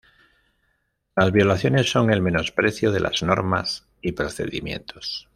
Las violaciones son el menosprecio de las normas y procedimientos.